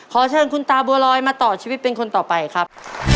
ขอเชิญคุณตาบัวลอยมาต่อชีวิตเป็นคนต่อไปครับ